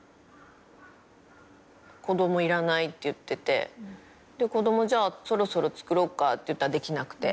子供いらないっていってて子供そろそろつくろうかっていったらできなくて。